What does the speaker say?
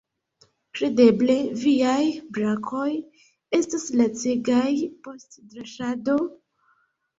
Kredeble viaj brakoj estas lacegaj post draŝado?